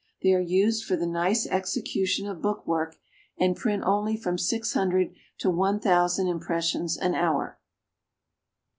They are used for the nice execution of book work, and print only from six hundred to one thousand impressions an hour.